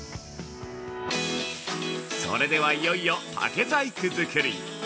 それでは、いよいよ竹細工作り。